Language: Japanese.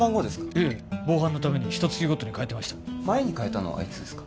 いえ防犯のためにひと月ごとに変えてました前に変えたのはいつです？